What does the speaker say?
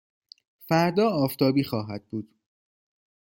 فردا آفتابی خواهد بود.